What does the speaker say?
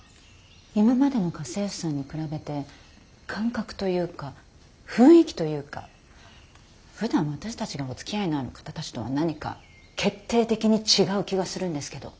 今までの家政婦さんに比べて感覚というか雰囲気というかふだん私たちがおつきあいのある方たちとは何か決定的に違う気がするんですけど。